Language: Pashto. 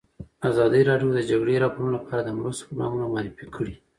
ازادي راډیو د د جګړې راپورونه لپاره د مرستو پروګرامونه معرفي کړي.